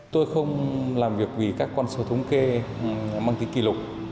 tôi không làm việc vì các con số thống kê măng ký kỷ lục